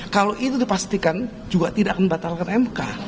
kalau itu dipastikan juga tidak akan membatalkan mk